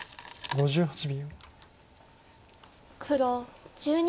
５８秒。